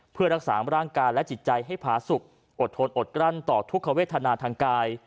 เพื่อรักษาร่างกายและจิตใจให้ผาสุขอดทนอดกลั้นต่อทุกขเวทนาทางกาย